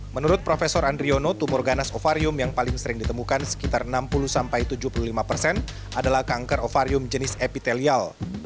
menurut prof andriono tumor ganas ovarium yang paling sering ditemukan sekitar enam puluh sampai tujuh puluh lima persen adalah kanker ovarium jenis epitelial